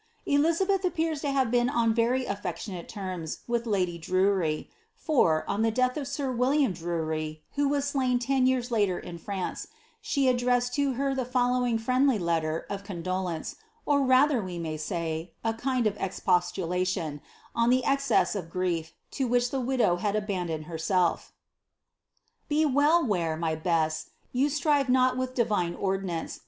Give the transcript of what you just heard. Elizabeth appears lo have been on very affectionate terms wilh lady Drury, for, on the death of sir William IJrury, who was slain ten yean later io France, slie addressed to her the following friendly letter of con dolence, or rather, we may say, of kind exposiulaiion, on the excess of grief to which the widow had abandoned herself: — Be wellirar(, my Besse, j ou strive nol wilh Divine ordinnnce.